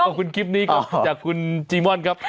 ขอบคุณคลิปนี้ค่ะจากคุณจีบมอนด์ครับ